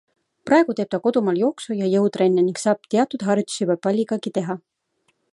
Praegu teeb ta kodumaal jooksu- ja jõutrenne ning saab teatud harjutusi juba palligagi teha.